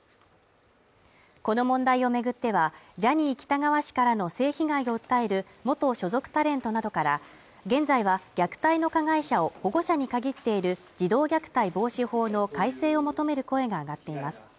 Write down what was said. この問題を巡っては、ジャニー喜多川氏からの性被害を訴える元所属タレントなどから現在は虐待の加害者を保護者に限っている児童虐待防止法の改正を求める声が上がっています